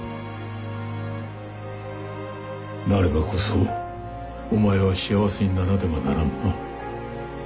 なればこそお前は幸せにならねばならぬな。